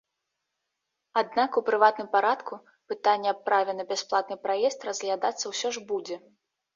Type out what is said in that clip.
Аднак у прыватным парадку пытанне аб праве на бясплатны праезд разглядацца ўсё ж будзе.